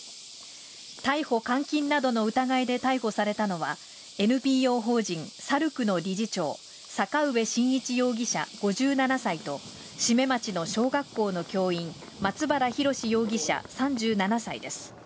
逮捕・監禁などの疑いで逮捕されたのは、ＮＰＯ法人さるくの理事長、坂上慎一容疑者５７歳と、志免町の小学校の教員、松原宏容疑者３７歳です。